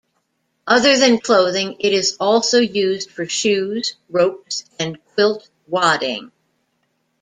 Other than clothing, it is also used for shoes, ropes, and quilt wadding.